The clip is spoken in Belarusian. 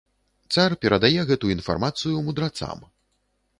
Цар перадае гэту інфармацыю мудрацам.